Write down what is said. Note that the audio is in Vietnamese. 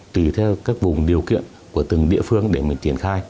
tùy theo các vùng điều kiện của từng địa phương để mình triển khai